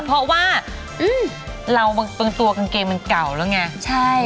เพราะว่าเราบางตัวกางเกงมันเก่าแล้วไงใช่